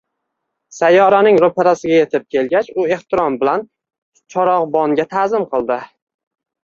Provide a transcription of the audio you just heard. Sayyoraning ro‘parasiga yetib kelgach, u ehtirom bilan charog‘bonga ta’zim qildi.!